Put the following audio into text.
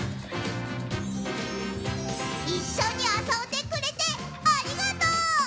いっしょにあそんでくれてありがとう！